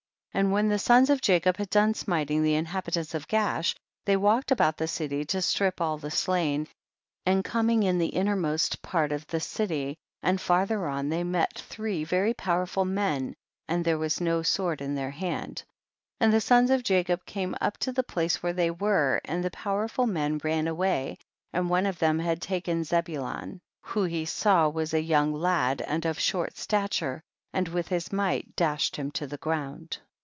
56. And when the sons of Jacob had done smiting the inhabitants of Gaash, they walked about the city to strip all the slain, and coming in the innermost part of the city and farther THE BOOK OF JASHER. 131 on they met three very powerful men, and tlierc was no sword in their hand. 57. And the sons of Jacob came up to the place where they xoere, and the powerful men ran away, and one of them had taken Zebulun, who he saw was a young lad and of short stature, and with his might dashed him to the ground.